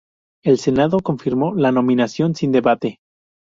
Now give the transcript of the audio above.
El Senado confirmó la nominación sin debate.